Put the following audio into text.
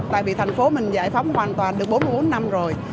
tại vì thành phố mình giải phóng hoàn toàn được bốn mươi bốn năm rồi